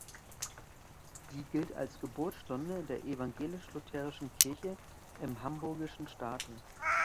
Sie gilt als Geburtsstunde der Evangelisch-Lutherischen Kirche im Hamburgischen Staate.